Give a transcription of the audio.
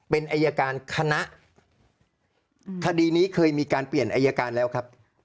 เป็นอายการคณะคดีนี้เคยมีการเปลี่ยนอายการแล้วครับ